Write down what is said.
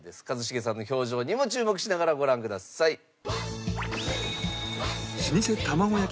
一茂さんの表情にも注目しながらご覧ください。